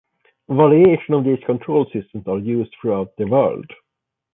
Variations of these control systems are used throughout the world.